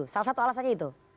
salah satu alasannya itu